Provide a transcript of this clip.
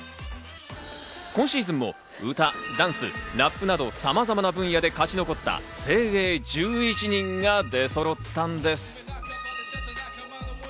今シーズンも歌、ダンス、ラップなどさまざまな分野で勝ち残った精鋭１１人がそろったんです。